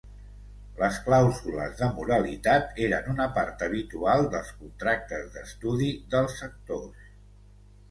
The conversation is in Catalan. Les clàusules de moralitat eren una part habitual dels contractes d'estudi dels actors.